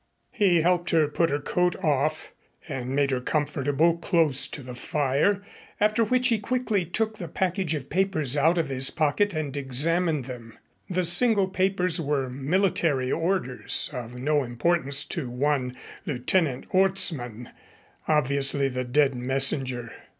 He helped her put her coat off and made her comfortable close to the fire, after which he quickly took the package of papers out of his pocket and examined them. The single papers were military orders of no importance to one Lieutenant Orstmann, obviously the dead messenger.